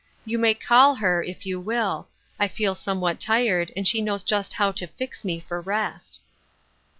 You may call her, if you will ; I feel somewhat tired, and she knows just how to fix me for rest."